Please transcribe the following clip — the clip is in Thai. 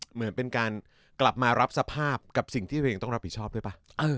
เหมือนเป็นการกลับมารับสภาพกับสิ่งที่ตัวเองต้องรับผิดชอบด้วยป่ะ